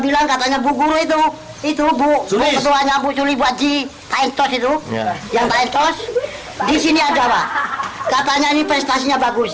yang taitos disini ada pak katanya ini prestasinya bagus